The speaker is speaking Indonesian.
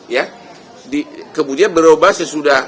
ya kemudian berubah sesudah